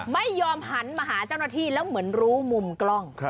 ไม่ยอมหันมาหาเจ้าหน้าที่แล้วเหมือนรู้มุมกล้อง